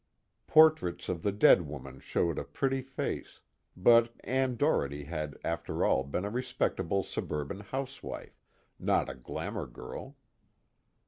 Portraits of the dead woman showed a pretty face, but Ann Doherty had after all been a respectable suburban housewife, not a glamor girl.